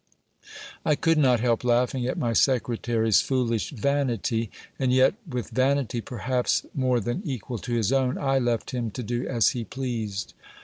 I could not help laughing at my secretary's foolish vanity ; and yet, with vanity perhaps more than equal to his own, I left him to do as he pleased.